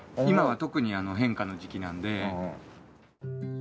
今は特に変化の時期なんで。